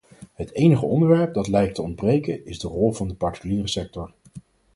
Het enige onderwerp dat lijkt te ontbreken, is de rol van de particuliere sector.